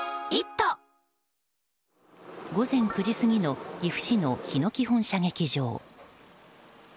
午前９時過ぎの岐阜市の日野基本射撃場。